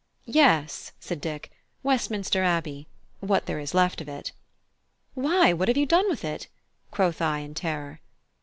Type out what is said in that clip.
"Yes," said Dick, "Westminster Abbey what there is left of it." "Why, what have you done with it?" quoth I in terror.